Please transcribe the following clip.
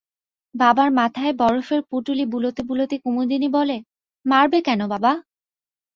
বাবার মাথায় বরফের পুঁটুলি বুলোতে বুলোতে কুমুদিনী বলে, মারবে কেন বাবা?